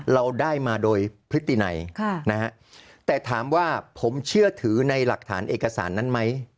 เราได้มาโดยพฤตินัยแต่ถามว่าผมเชื่อถือในหลักฐานเอกสารนั้นไหม